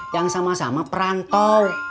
yang sama sama perantau